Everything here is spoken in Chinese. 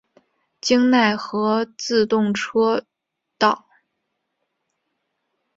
京奈和自动车道。